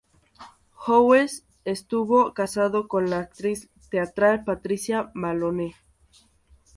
Howes estuvo casado con la actriz teatral Patricia Malone.